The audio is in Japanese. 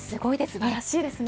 素晴らしいですね。